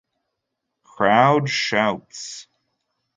Crowd Shouts.